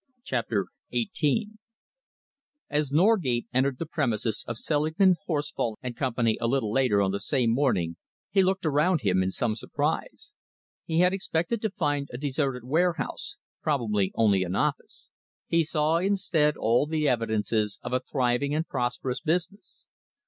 CHAPTER XVIII As Norgate entered the premises of Selingman, Horsfal and Company a little later on the same morning he looked around him in some surprise. He had expected to find a deserted warehouse probably only an office. He saw instead all the evidences of a thriving and prosperous business.